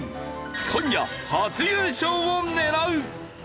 今夜初優勝を狙う！